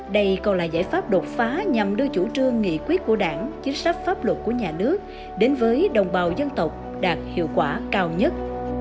đây còn là giải pháp đột phá nhằm đưa chủ trương nghị quyết của đảng chính sách pháp luật của nhà nước đến với đồng bào dân tộc đạt hiệu quả cao nhất